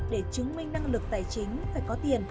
để chứng minh năng lực tài chính phải có tiền